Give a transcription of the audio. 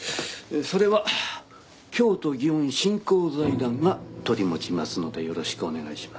それは京都祇園振興財団が取り持ちますのでよろしくお願いします。